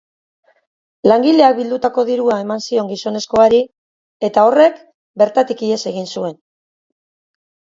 Langileak bildutako dirua eman zion gizonezkoari eta horrek bertatik ihes egin zuen.